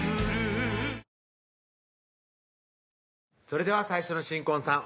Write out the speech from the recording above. それでは最初の新婚さん